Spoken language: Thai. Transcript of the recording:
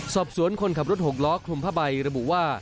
สอบสวนคนขับรถ๖ล้อคลุมพระบัยระบุว่า